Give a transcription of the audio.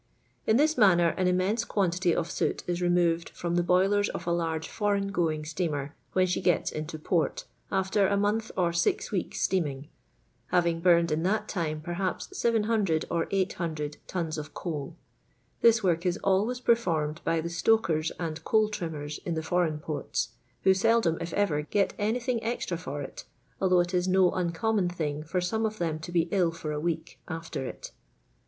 In this man ner an immense quantity of soot is removed firom the boilers of a large foreign going steamer when she gets into port, after a month or six weeks* steaming, having burned in that time perhaps 700 or 800 tons of coal : this work is always performed by the stokers and coal trimmers in the foreign ports, who seldom, if ever, get anything extra for it, although it is no uncommon thing for some of them to be ill for a week after it.